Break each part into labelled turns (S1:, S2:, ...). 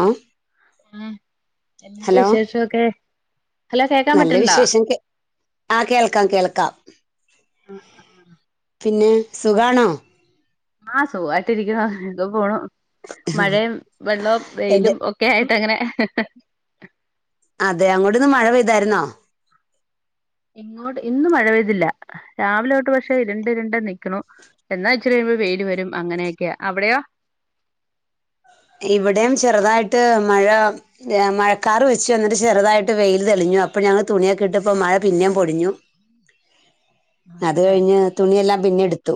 S1: അം
S2: ആഹ് എന്താ വിശേഷം ഒക്കെ
S1: നല്ല വിശേഷംകെ ആഹ് കേൾക്കാം കേൾക്കാം പിന്നെ സുഖാണോ
S2: ആഹ് സുഖായിട്ട് ഇരിക്ക്ണു ഇതും പോണു മഴയും വെള്ളവും
S1: എന്ത്
S2: വെെലും ഒ ക്കെ ആയിട്ട്അങ്ങനെ
S1: അതെ അങ്ങോട്ട് ഇന്ന് മഴ പെയ്താര്ന്നോ
S2: ഇങ്ങോട്ട് ഇന്ന് മഴ പെയ്തില്ല രാവിലെ തോട്ട് പക്ഷെ ഇരുണ്ട് ഇരുണ്ട് നിക്കുന്നു എന്നാ ഇച്ചിരി കഴിയുമ്പൊ വെെല് വെരും അങ്ങനെയെക്കെയാ അവടെയോ
S1: ഇവടെയും ചെറ്തായിട്ട് മഴാ ഏഹ് മഴക്കാറ് വെച്ചുഎന്നിട്ട് ചെറ്തായിട്ട് വെെല് തെളിഞ്ഞു അപ്പൊ ഞങ്ങള് തുണിയെക്കെ ഇട്ടപ്പാെ മഴ പിന്നേം പൊടിഞ്ഞു അത്
S2: അതെല്ലേ
S1: കഴിഞ്ഞ് തുണി എല്ലാം പിന്നെ എട്ത്തു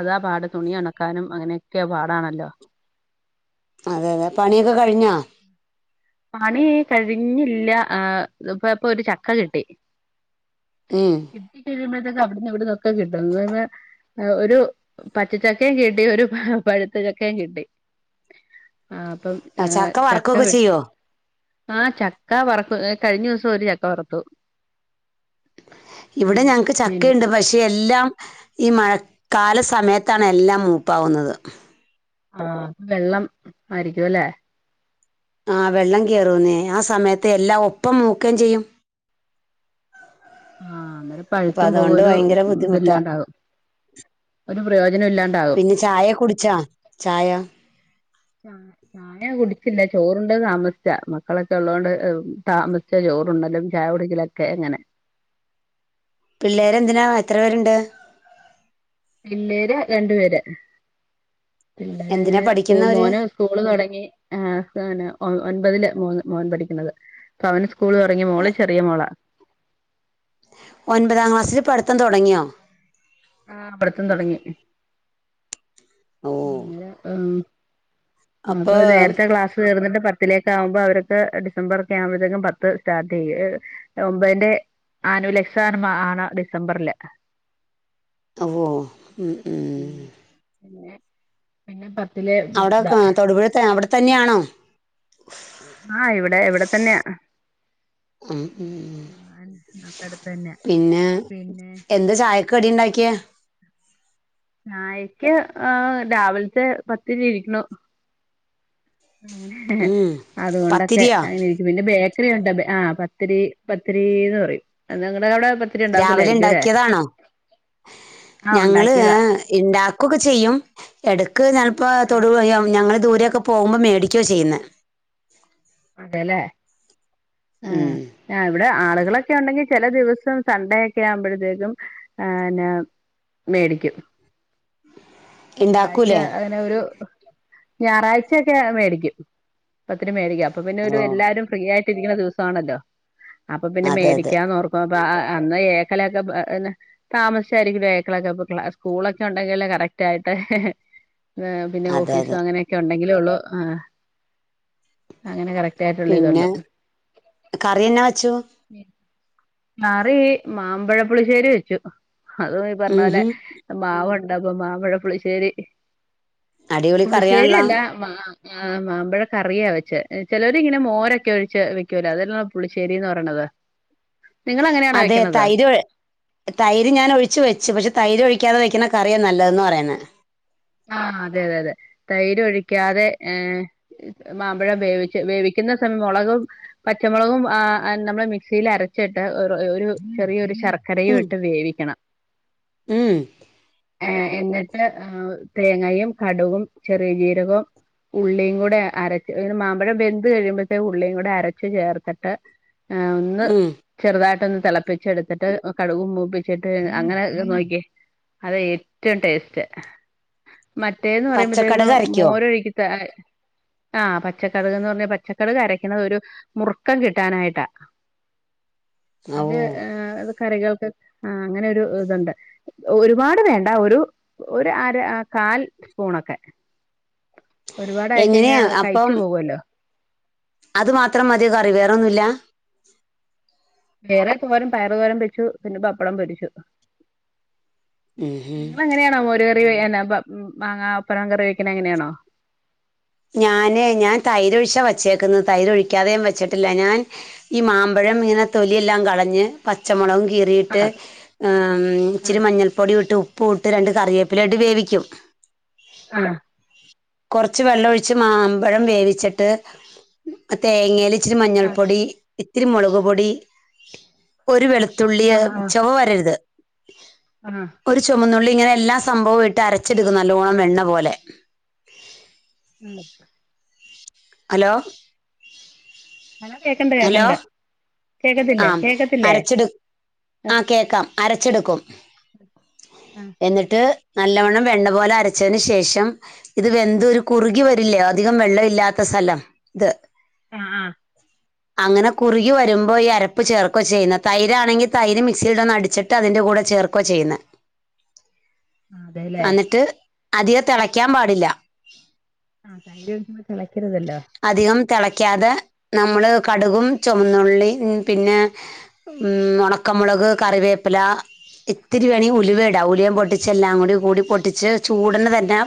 S2: അതാ പാട് തുണി ഒണക്കാനും അങ്ങനെയെക്യേ പാടാണല്ലോ
S1: അതെ അതെ പണിയെക്ക കഴിഞ്ഞോ
S2: പണി കഴിഞ്ഞില്യാ ആഹ് ദഇപ്പ ഇപ്പൊര് ചക്ക കിട്ടി
S1: ഉം
S2: കിട്ടിക്കഴിയുമ്പഴത്തേക്ക് അവിടുന്ന് വിട്ന്നൊക്കെ കിട്ടുന്ന്ന്നെ. ഒരു പച്ചച്ചക്കേം കിട്ടി ഒരു പഴുത്ത ചക്കേം കിട്ടി. ആ അപ്പം
S1: ആഹ് ചക്ക വർക്കൊക്കെചെയ്യോ.
S2: ആഹ ചക്ക വറക്ക ക കഴിഞ്ഞുസം ഒരു ചക്ക വറത്തു.
S1: ഇവിടെ ഞങ്ങക്ക് ചക്കയിണ്ട് പക്ഷേ. എല്ലാം ഈ മഴ കാല സമയത്താണ് എല്ലാം മൂപ്പാവുന്നത്.
S2: ആഹപ്പ വെള്ളം ആയിരിക്കുല്ലേ.
S1: ആഹ വെള്ളം കയറൂന്നേ ആ സമയത്ത് എല്ലാം ഒപ്പം മുക്കേംചെയ്യും.
S2: ആ അന്നേരം പഴുത്തും പോകും
S1: അപ്പൊഅതോണ്ട്
S2: ഒരു
S1: ഭയങ്കര ബുദ്ധിമുട്ടാ.
S2: ഇതില്ലാണ്ടാകും ഒരു പ്രയോജനം ഇല്ലാണ്ടാകും
S1: പിന്നെ ചായകുടിച്ചാ ചായ.
S2: [inaudible] ചായ കുടിച്ചില്ല ചോറുണ്ടെതാമസിച്ചാ മക്കളൊക്കെളോണ്ട് താമസിച്ച ചോറുണ്ടത് ചായകുടിക്കലു. ക്കെ അങ്ങനെ.
S1: പിള്ളേരെന്തിനാ എത്രപേര്ണ്ട്.
S2: പിള്ളേര് രണ്ട്‌പേര് പിള്ളേര്
S1: എന്തിനാ
S2: അങ്ങനെ സ്കൂൾ
S1: പഠിക്കുന്നവര്
S2: മോന്. സ്കൂള് തൊടങ്ങി ആഹ് പിന്നെ ഒൻപതില് മോ മോൻ പഠിക്കണത്. പ്പവന് സ്കൂള്തൊടങ്ങി മോള് ചെറിയ മോളാ.
S1: ഒൻപതാം ക്ലാസ്സിൽ പഠിത്തം തൊടങ്യോ.
S2: ആ പഠിത്തം തൊടങ്ങി.
S1: ഓ
S2: അങ്ങനെപ്പൊ അപ്പൊ നേർത്തെ ക്ലാസ്. തീർന്നിട്ട് പത്തിലേക്കാവുമ്പോ അവർക്ക് ഡിസംബറൊക്കെ ആവുമ്പോഴത്തേക്കും പത്ത് സ്റ്റാർട്ടെയ്യും. ഒമ്പേന്റെ ആനുവൽ എക്സാർമാണ് ഡിസംബറില്.
S1: ഓഹ് മ്മ് മ്മ്ഹ്.
S2: പിന്നെ. പിന്നെ പത്തില്.
S1: അവിടെക്കെ തൊടുപുഴെതെ അവിടെ തന്നെയാണോ.
S2: ആഹ ഇവിടെ ഇവിടെ തന്നെയാ.
S1: ഉം ഉം
S2: അവിടെ അടുത്ത് തന്നെ
S1: പിന്നെ
S2: പിന്നെ
S1: എന്ത് ചായ. കടിണ്ടാക്ക്യേ.
S2: ചായക്ക് ആ രാവിലത്തെ പത്തിരി ഇരിക്കുന്നു. അ
S1: ഉം
S2: അതുകൊണ്ടൊക്കെ
S1: പത്തിരിയോ
S2: അങ്ങനെ. പിന്നെ ബേക്കറിയുണ്ട്‌ ആ പത്തിരി പത്തിരിന്ന് പറയും നിങ്ങടവിടെ പ.
S1: രാവിലെ ഇണ്ടാക്കിയതാണോ
S2: ആഹ്
S1: ഞങ്ങള്
S2: ഉണ്ടാക്കിയതാ
S1: ഇണ്ടാക്കൊക്കെ ചെയ്യും. എടക്ക് ഞാനപ്പോ തൊടു ഞങ്ങൾ ദൂരൊക്കെ പോവുമ്പോ മേടിക്ക്യ ചെയ്യുന്നെ.
S2: അതെല്ലേ. ആ
S1: ഉം.
S2: ആ ഇവിടെ ആളുകളൊക്കെ ഉണ്ടെങ്കി ചെല ദിവസം സൺഡേയൊക്കെ ആകുമ്പഴത്തേക്കും ആന്നെ. മേടിക്കും. ഞായറാഴ്ച
S1: ഉണ്ടാക്കൂലേ
S2: അങ്ങനെ ഒരു ഞായറാഴ്ചയൊക്കെ മേടിക്കും പത്തിരി മേടിക്കും. അപ്പൊ പിന്നെ
S1: ഓ
S2: ഒരു എല്ലാരും ഫ്രീ ആയിട്ട് ഇരിക്കുന്ന ദിവസാണല്ലോ അപ്പൊ പിന്നെ
S1: അതെ അതെ
S2: മേടിക്കാന്ന് ഓർ. പ്പൊപ്പ അന്ന് ഏക്കലൊക്കെന്നെപ്പ്നെ. താമസിച്ചായിരിക്കും വേക്കളൊക്കെ സ്കൂളൊക്കെ ഉണ്ടെങ്കിൽ കറക്. റ്റായിട്ട് പിന്നെ
S1: അതെ
S2: ഓഫീസ
S1: അതെ
S2: അങ്ങനെ. ഒക്കെ ഉണ്ടെങ്കിലേ ഒള്ളൂ ആ അങ്ങനെ കറ
S1: പിന്നെ
S2: റ്റായിട്ടുള്ളതൊള്ളൂ.
S1: കറി എന്നാ വെച്ചു
S2: കറി മാമ്പഴപ്പുളിശ്ശേരി വെച്ചു. അതും ഈ
S1: ഉം
S2: പർഞ്ഞപോലെ
S1: ഹും
S2: മാവുണ്ട് അപ്പൊ മാമ്പഴപുളിശ്ശേരി.
S1: അടിപൊളി കറിയാണല്ലോ
S2: പുളിശേരിയല്ല മാ ആ മാമ്പഴ കറിയാ വെച്ച് ചെലോരിങ്ങനെ മോരൊക്കെ ഒഴിച്ച് വെക്കൂലോ അതല്ലോ പുളിശ്ശേരി ന്ന് പറണത്.
S1: അതെ തൈരൊഴ് തൈര് ഞാൻ ഒഴിച്ച് വെച്ച് പക്ഷെ തൈര് ഒഴിക്കാതെ വെക്ക്ന്ന കറിയ നല്ലതെന്ന് പറയന്നേ
S2: ആ അതെ അതെ അതെ തൈര് ഒഴിക്കാതെ ഏ മാമ്പഴം വേവിച്ച് വേവിക്കുന്ന സം മുളകും പച്ചമുളകും ആ നമ്മള് മിക്സിയിൽ അരച്ചിട്ട് ഒറു ഒരു ചെറിയൊരു ശർ
S1: ഉം
S2: കറിയുവിട്ട് വേവിക്കണം
S1: ഉം
S2: ഏ എന്നിട്ട് ഏ തേങ്ങയും കട്കും ചെറി ജീരകോം ഉള്ളീം കൂടെ അരച്ച് ഒരു മാമ്പഴം വെന്ത് കഴിയുമ്പോഴത്തേ ഉള്ളീം കൂടെ അരച്ചു ചേർത്തിട്ട് ഏ ഒന്ന്
S1: ഉം
S2: ചെറുതായിട്ടൊന്ന് തെളപ്പിച്ചെടുത്തിട്ട് കടുകും മൂപ്പിച്ചിട്ട് അങ്ങനെയ് ഒന്ന് നോക്കിയേ അത് ഏറ്റവും ടേസ്റ്റ് മറ്റേത് ന്ന്
S1: പച്ചക്കടുക്
S2: പറയുമ്പഴത്തേക്കും
S1: അരയ്ക്കോ
S2: മോരൊഴുക്കി താ യ് ആ പച്ചക്കട്ക്ന്ന് പറഞ്ഞ പച്ചക്കട്ക് അരക്കുന്നത് ഒരു മുറുക്കം കിട്ടാനായിട്ടാ
S1: [inaudible]
S2: അത് ആ അത് കറികൾക്ക് ആ അങ്ങനൊരു ഇ തുണ്ട് ഒരുപാട് വേണ്ട ഒരു ഒര് അര അ കാൽ സ്പൂണൊക്കെ ഒരുപാടായി കഴിഞ്ഞാ
S1: എങ്ങനെയാ അപ്പം
S2: കഴിച്ചു പോകുല്ലോ
S1: അത് മാത്രം മതി കറി വേറെന്നുല്ല
S2: വേറെ തോരം പയറു തോരം വെച്ചു പിന്നെ പപ്പടം പൊരിച്ചു
S1: ഉം ഹും
S2: നിങ്ങള അങ്ങനെയാണോ മോരു കറി വെയ് അല്ല പം മാങ്ങാ അപ്പറം കറി വെക്ക്ന്നേ അങ്ങനെയാണോ
S1: ഞാന് ഞാൻ തൈരൊഴിച്ച വച്ചേക്കന്ന് തൈരൊഴിക്കാതെയും വെച്ചിട്ടില്ല ഞാൻ ഈ മാമ്പഴം ഇങ്ങനെ തൊലിയെല്ലാം കളഞ്ഞ് പച്ചമുളകും കീറിയിട്ട് ആം
S2: ആഹ്
S1: ഇച്ചിരി മഞ്ഞൾപ്പൊടി ഇട്ട് ഉപ്പ് ഇട്ട് രണ്ട് കറിവേപ്പില ഇട്ട് വേവിക്കും
S2: ആഹ്
S1: കൊർച്ച് വെള്ളൊഴിച്ച് മാമ്പഴം വേവിച്ചിട്ട് തേങ്ങേല് ഇച്ചരി മഞ്ഞൾ പൊടി ഇത്തിരി മുളക് പൊടി ഒരു വെളുത്തുള്ളിയ
S2: ആഹ് ആഹ്
S1: ചുവ വരരുത്
S2: ആഹ്
S1: ഒരു ചുമന്നുള്ളി ഇങ്ങനെ എല്ലാ സംഭവവും ഇട്ട് അരച്ചെടുക്കും നല്ലോണം വെണ്ണ പോലെ
S2: ഉം
S1: ഹലോ
S2: ഹലോ കേക്കണ്ട്
S1: ഹലോ
S2: കേക്കണ്ട് കേക്കത്തില്ലേ
S1: ആം
S2: കേക്കത്തില്ലേ
S1: അരച്ച്ട് ആ കേക്കാം അരച്ചെടുക്കും
S2: ആഹ്
S1: എന്നിട്ട് നല്ലവണ്ണം വെണ്ണ പോലെ അരച്ചതിന് ശേഷം ഇത് വെന്ത് ഒരു
S2: ആഹ്
S1: കുറുകി വരില്ലേ അത് അധികം വെള്ളം ഇല്ലാത്ത സ്ഥലം ത്
S2: ആഹ് ആഹ്
S1: അങ്ങനെ കുറുകി വരുമ്പോ ഈ അരപ്പ് ചേർക്കോ ചെയ്യുന്ന തൈരാണെങ്കി തൈര് മിക്സിയുടെ ഒന്ന് അടിച്ചിട്ട് ട്ട് അതിന്റെ കൂടെ ചേർക്കുവ ചെയ്യുന്നെ
S2: അതെല്ലേ
S1: എന്നിട്ട് അധികം തിളക്കാൻ പാടില്ല
S2: ആഹ് തൈര് തിളക്കരുതല്ലോ
S1: അധികം തിളക്കാതെ നമ്മള് കടുകും ചുമന്നള്ളി പിന്നെ ഉം ഉണക്കമുളക് കറിവേപ്പില ഇത്തിരി വേണമെങ്കിൽ ഉലുവേഇടാം ഉലിയൻ പൊട്ടിച്ച എല്ലാം കൂടി കൂടി പൊട്ടിച്ച് ചൂടന് തന്നെ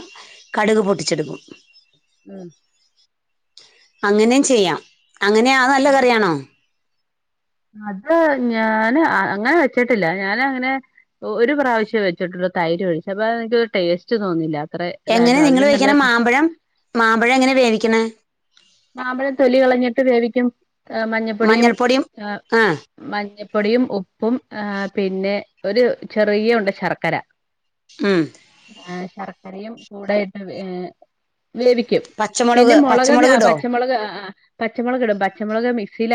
S1: കടുക് പൊട്ടിച്ചെടുക്കും
S2: ഉം
S1: അങ്ങനെയും ചെയ്യാം അങ്ങനെയാ നല്ല കറിയാണോ
S2: അത് ഞാന് അങ്ങനെ വെച്ചിട്ടില്ല ഞാന് അങ്ങനെ ഒരു പ്രാവശ്യം വെച്ചിട്ടുള്ളു തൈര് ഒഴിച്ചു അപ്പൊ എനക്ക് ടേസ്റ്റ് തോന്നുന്നില്ല അത്ര
S1: എങ്ങനെ
S2: ഇതായിട്ട്
S1: നിങ്ങള്
S2: അതിലും
S1: വെക്കിണ
S2: നല്ലത്
S1: മാമ്പഴം മാമ്പഴം എങ്ങനെ വേവിക്കണ
S2: മാമ്പഴം തൊലി കളഞ്ഞിട്ട് വേവിക്കും മഞ്ഞപ്പൊടിയും
S1: മഞ്ഞൾപ്പൊടിയും
S2: ആ.. മഞ്ഞപ്പൊടിയും, ഉപ്പും, ആ പിന്നെ ഒരു ചെറിയ ഉണ്ട് ശർക്കര
S1: ഉം....
S2: ആ ശർക്കരയും കൂടെയിട്ട് വേവിക്കും
S1: പച്ചമുളക്
S2: പിന്നെ മുളക്
S1: പച്ചമുളക് ഇടോ
S2: പച്ചമളക് ആഹ്! ആഹ്! പച്ചമുളക് ഇടും പച്ചമുളക് മിക്സിൽ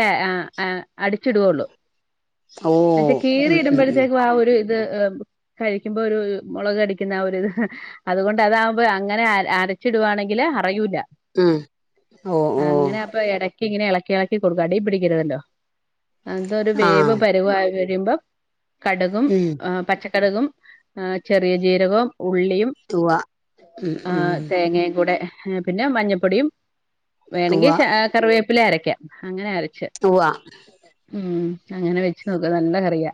S2: അടിച്ചിടുള്ളു
S1: ഓ
S2: പക്ഷെ കീറി
S1: ഉം ഉം ഉം
S2: ഇടുമ്പോഴത്തേക്കും ആ ഒരു- ഇത് കഴിക്കുമ്പോ ഒരു മുളക് അരക്കുന്ന ആ ഒരിത് അതുകൊണ്ട് അതാകുമ്പോ അങ്ങനെ അരച്ചിടുവാണെങ്കില് അറിയൂല്ല
S1: ഉം... ഓ.. ഓ...
S2: അങ്ങനെ അപ്പ ഇടയ്ക്ക് ഇങ്ങനെ ഇളക്കി ഇളക്കി കൊടുക്ക അടി പിടിക്കരുതല്ലോ അന്തൊരു
S1: ആ
S2: വേവ് പരുവായി വരുമ്പം കടുകും,
S1: ഉം
S2: പച്ചക്കടുകും ആ ചെറിയ ജീരകവും, ഉള്ളിയും,
S1: ഉവ്വ ഉം
S2: ആ
S1: ഉം
S2: തേങ്ങയും കൂടെ പിന്നെ മഞ്ഞപ്പൊടിയും, വേണെങ്കിൽ
S1: ഉവ്വ
S2: കറിവേപ്പില അരയ്ക്കാം അങ്ങനെ അരച്ച്
S1: തൂകുവോ
S2: ഉം.... അങ്ങനെ വെച്ച് നോക്ക് നല്ല കറിയ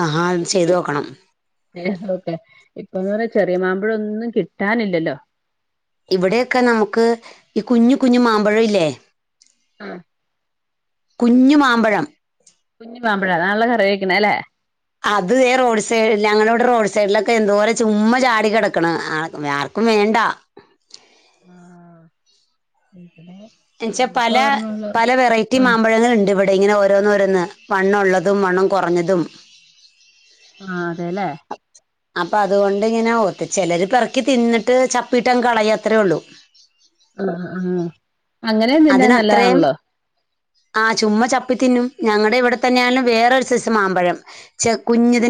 S1: ആഹ്! അത് ചെയ്തു നോക്കണം
S2: ഏ ഓക്കെ ഇപ്പൊന്ന് പറ ചെറിയ മാമ്പഴ ഒന്നും കിട്ടാനില്ലല്ലോ!
S1: ഇവിടെയൊക്കെ നമുക്ക് ഈ കുഞ്ഞ് കുഞ്ഞു മാമ്പഴം ഇല്ലേ
S2: ആഹ്!
S1: കുഞ്ഞുമാമ്പഴം
S2: കുഞ്ഞു മാമ്പഴം അതാണല്ലേ കറി വെക്കുന്നത് അല്ലേ
S1: അത് റോഡ് സൈഡിൽ ഞങ്ങള ഇവിടെ റോഡ് സൈഡിലൊക്കെ എന്തോര ചുമ്മാ ചാടി കിടക്കണ്‌ ആ ആർക്കും വേണ്ട
S2: ആഹ്..... ഇവിടെ
S1: എന്നച്ചാൽ
S2: നമ്മക്ക്
S1: പല
S2: ഒരെണ്ണള്ളൂ
S1: പല വെറൈറ്റി
S2: ആഹ്
S1: മാമ്പഴങ്ങൾ ഉണ്ട് ഇവിടെ തേ ഇങ്ങനെ ഓരോന്ന് ഓരോന്ന് വണ്ണം ഉള്ളതും വണ്ണം കുറഞ്ഞതും
S2: ആ... അതെല്ലേ!
S1: അപ്പൊ അതുകൊണ്ട് ഇങ്ങനെ ഓ ചിലര് പിറക്കി തിന്നിട്ട് ചപ്പിട്ട കളയ അത്രേ ഉള്ളൂ!
S2: ആഹ്! ആഹ്! അങ്ങനെ തിന്നാൻ
S1: അതിനത്രയും
S2: നല്ലതാണല്ലോ!
S1: ആ ചുമ്മാ ചപ്പിത്തിന്നും ഞങ്ങളുടെ ഇവിടെ തന്നെ ആണെലും വേറൊരു സൈസ് മാമ്പഴം ചെ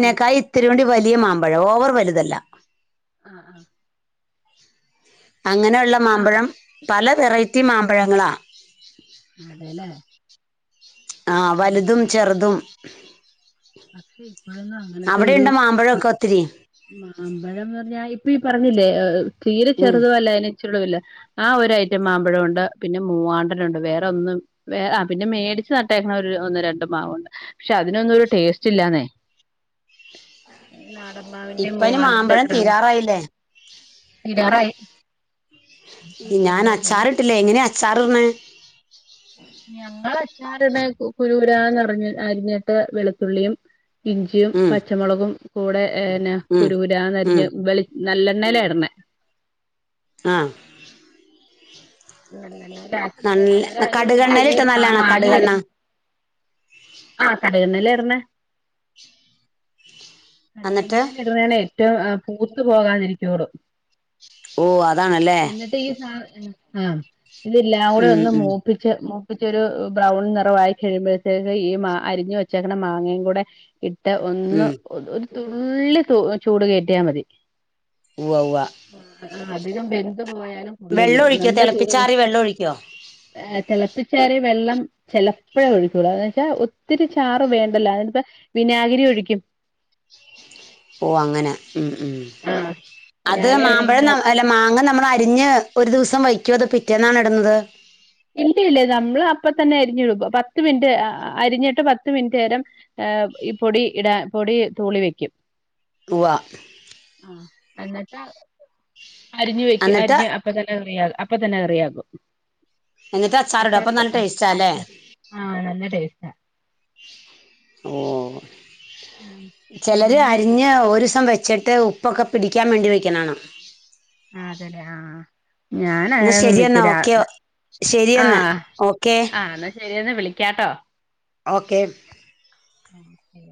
S2: ആഹ്
S1: ഇത്തിരി കൂടി വലിയ മാമ്പഴം ഓവർ വലുതല്ല
S2: ആഹ്! ആഹ്!
S1: അങ്ങനെയുള്ള
S2: ആഹ്
S1: മാമ്പഴം പല വെറൈറ്റി മാമ്പഴങ്ങളാ!
S2: അതെല്ലേ!
S1: ആഹ്
S2: ഓ
S1: വലുതും,
S2: നല്ല,
S1: ചെറുതും
S2: പക്ഷെ ഇപ്പയൊന്നും-
S1: അവിടെയുണ്ടോ മാമ്പഴെക്കൊത്തിരി?
S2: മാമ്പഴം എന്ന് പറഞ്ഞാ ഇപ്പയീ പറഞ്ഞില്ലേ തീരെ
S1: ഉം
S2: ചെറുതുവല്ല അയിന്ച്ചിരൂടെ വലുത് ആ ഒരൈറ്റം മാമ്പഴവുണ്ട് പിന്നെ മൂവാണ്ടനാണ്ട് വേറൊന്നും വേറ ആ പിന്നെ മേടിച്ച് നട്ടേക്കണ ഒരു ഒന്ന് രണ്ടു മാവുണ്ട് പക്ഷെ അതിനൊന്നും ഒരു ടേസ്റ്റ് ല്ലാന്നെ ഈ നാടന്മാവിന്റെ
S1: ഇപ്പ ഇനി
S2: മൂവാണ്ടന്റെ
S1: മാമ്പഴം തീരാറായില്ലേ
S2: തീരാറായി അപ്പം എല്ലാ പിന്നെ
S1: ഞാനച്ചാറിട്ടില്ല എങ്ങനെയാ അച്ചാറിടണെ?
S2: ഞങ്ങളച്ചാറ്ടാ കുനുകൂനാന്ന് അരിഞ്ഞിട്ട് വെളുത്തുള്ളിയും, ഇഞ്ചിയും,
S1: ഉം
S2: പച്ചമുളകും, കൂടെന്നെ
S1: ഉം ഉം
S2: കുനുകുനാന്നെരിഞ്ഞ് വെളിച്ച നല്ലെണ്ണയിലാണ്ടെ
S1: ആഹ്!
S2: നല്ലെണ്ണയിലാ അങ്ങനെ
S1: നല്ല
S2: അയ്ന് മുമ്പ് ആ ഈ
S1: കടുകെണ്ണയിലിട്ടാ നല്ലതാണോ കടുകെണ്ണ?
S2: മാങ്ങെയെരിഞ് ആഹ് കട്കെണ്ണയിലാട്ന്നെ?
S1: എന്നിട്ട്
S2: കടുകണ്ണേല്ട് വേണ് ഏറ്റും പൂത്ത് പോകാതിരിക്കോള്ളു
S1: ഓ അതാണല്ലേ?
S2: ആഹ ഇല്ലില്ലാ
S1: ഉം
S2: അവിടെയൊന്നും
S1: ഉം
S2: മൂപ്പില്ല മൂപ്പിച്ച് മൂപ്പിച്ചൊരു ബ്രൗൺ നിറവായി കഴിയുമ്പഴത്തേക്ക് ഈ മാ അരിഞ് വെച്ചേക്ക്ണ മാങ്ങയും കൂടെ യിട്ട് ഒന്ന്
S1: ഉം
S2: ഒരു തുള്ളി ചൂട് കേറ്റിയാ മതി
S1: ഉവ്വ ഉവ്വ
S2: ആ അധികം വെന്ത് പോയാലും
S1: വെള്ളം
S2: കൊള്ളൂല്ലോ
S1: ഒഴിക്കോ
S2: നല്ല ചൂട്
S1: തിളപ്പിച്ചാറിയ വെള്ളം ഒഴിക്കോ?
S2: ആഹ് തെളപ്പിച്ചാറിയ വെള്ളം ചെലപ്പഴെ ഒഴിക്കൊള്ളൂ അതെന്ന് വെച്ചാ ഒത്തിരി ചാറ് വേണ്ടല്ലോ അതെന്നെച്ചാ വിനാഗിരിയൊഴിക്കും
S1: ഓ അങ്ങനെ ഉം ഉം
S2: ആഹ്
S1: അത്
S2: വിനാഗിരി
S1: മാമ്പഴം
S2: ഒഴിക്കുമ്പോ
S1: നന്നാ അല്ല മാങ്ങ നമ്മളരിഞ്ഞ് ഒരു ദിവസം വയ്ക്കോ അത് പിറ്റേന്നാണോയിടുന്നത്?
S2: ഇല്ല ഇല്ല നമ്മള് അപ്പ തന്നെ അരിഞ്ഞു വെക്കും പത്ത് മിനിറ്റ് അരിഞ്ഞിട്ട് പത്ത് മിനിറ്റ് നേരം ഏഹ് ഈ പൊടിയിടാൻ പൊടി തൂളി വെക്കും
S1: തൂവാ
S2: ആ എന്നെട്ട് അരിഞ്ഞു വെക്ക
S1: എന്നിട്ട്
S2: അരിഞ്ഞ അപ്പ അപ്പ തന്നെ കറിയാ അപ്പതന്നെ കറിയാകും
S1: എന്നിട്ടച്ചാറിടും അപ്പം നല്ല ടേസ്റ്റാല്ലേ?
S2: ആഹ നല്ല ടേസ്റ്റാ
S1: ഓഹോ ചെലര്
S2: പിന്നെ
S1: അരിഞ്ഞ് ഒരൂസം വെച്ചിട്ട് ഉപ്പൊക്കെ പിടിക്കാൻ വേണ്ടി വെക്കുന്നാണം
S2: ആഹ് അതേല്ലെ ആഹാ
S1: എന്നാ
S2: ഞാനങ്ങനെയൊന്നും
S1: ശരിയെന്നാ
S2: വെക്കൂല
S1: ഓക്കെ ശരിയെന്നാ
S2: ആഹ്
S1: ഓക്കെ
S2: ആ എന്നാ ശരിയെന്ന വിളിക്കാട്ടോ
S1: ഓക്കെ
S2: ഓക്കെ